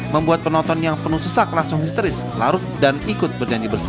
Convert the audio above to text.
membuat penonton yang penuh sesak langsung histeris larut dan ikut bernyanyi bersama